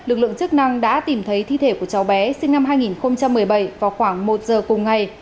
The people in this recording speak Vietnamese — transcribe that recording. lực lượng chức năng đã tìm thấy thi thể của cháu bé sinh năm hai nghìn một mươi bảy vào khoảng một giờ cùng ngày